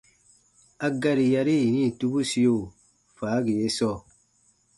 A gari yari yini tubusio faagi ye sɔɔ :